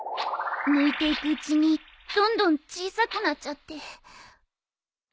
むいていくうちにどんどん小さくなっちゃって。